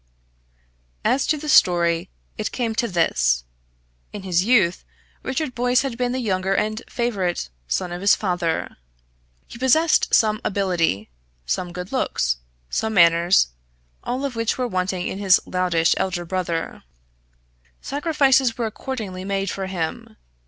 As to the story, it came to this. In his youth, Richard Boyce had been the younger and favourite son of his father. He possessed some ability, some good looks, some manners, all of which were wanting in his loutish elder brother. Sacrifices were accordingly made for him.